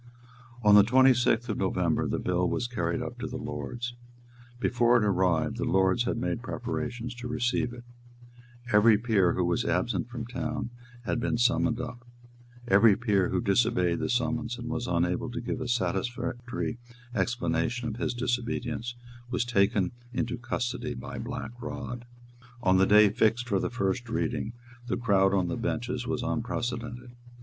On the twenty sixth of November the bill was carried up to the Lords. Before it arrived, the Lords had made preparations to receive it. Every peer who was absent from town had been summoned up: every peer who disobeyed the summons and was unable to give a satisfactory explanation of his disobedience was taken into custody by Black Rod. On the day fixed for the first reading, the crowd on the benches was unprecedented.